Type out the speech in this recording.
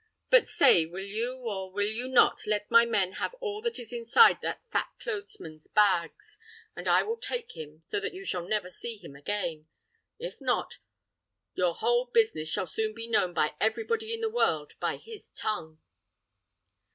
But say, will you, or will you not, let my men have all that is inside that fat clothesman's bags, and I will take him, so that you shall never see him again? If not, your whole business shall soon be known by everybody in the world by his tongue."